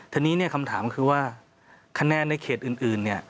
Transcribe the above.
ทีนี้คำถามคือว่าคะแนนในเขตอื่น